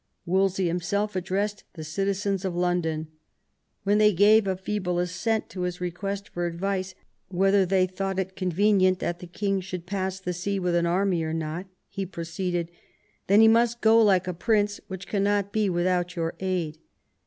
Wolsey himself addressed the citizens of London. When they gave a feeble assent to his request for advice, " whether they thought it con venient that the king should pass the sea with an army or not," he proceeded, " Then he must go like a prince, which cannot be without your aid."